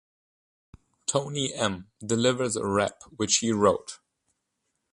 Tony M. delivers a rap which he wrote.